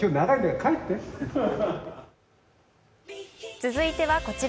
続いてはこちら。